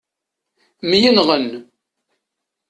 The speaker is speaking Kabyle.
Myenɣen.